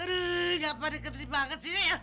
aduh gapapa deketin banget sini ya